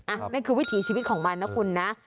นั่นคือวิถีชีวิตของมันนะคุณนะ